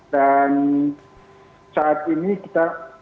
dan saat ini kita masih ada stok lagi untuk siap untuk mencari